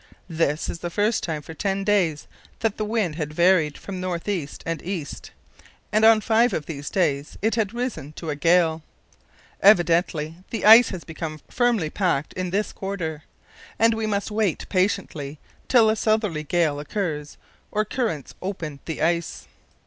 "This is the first time for ten days that the wind has varied from north east and east, and on five of these days it has risen to a gale. Evidently the ice has become firmly packed in this quarter, and we must wait patiently till a southerly gale occurs or currents open the ice.